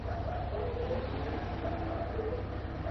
Rocket es capitán de la nave estelar "Rack 'n' Ruin.